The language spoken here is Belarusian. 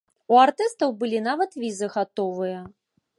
У артыстаў былі нават візы гатовыя.